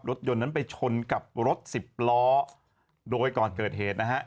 รถยนต์นั้นไปชนกับรถสิบล้อโดยก่อนเกิดเหตุนะฮะ